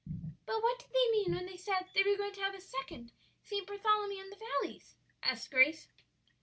"But what did they mean when they said they were going to have a second St. Bartholomew in the valleys?" asked Grace.